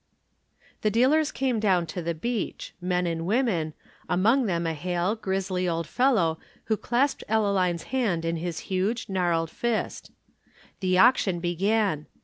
The dealers came down to the beach men and women among them a hale, grizzly old fellow who clasped Ellaline's hand in his huge, gnarled fist. The auction began.